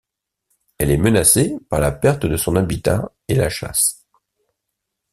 Elle est menacée par la perte de son habitat et la chasse.